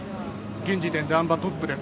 現時点であん馬トップです。